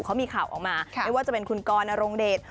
เขามีข่าวออกมาไม่ว่าจะเป็นคุณกรนรงเดช